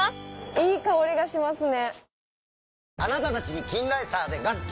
いい香りがしますね。